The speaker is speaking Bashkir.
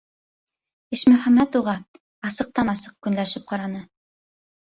- Ишмөхәмәт уға асыҡтан-асыҡ көнләшеп ҡараны.